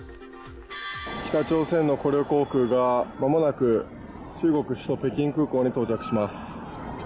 北朝鮮のコリョ航空が間もなく中国・北京空港に到着します